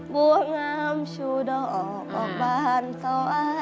บัวง้ำชูดอกออกบ้านสวรรค์